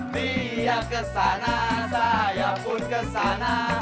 dia kesana saya pun kesana